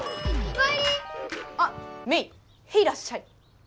あメイへいらっしゃい！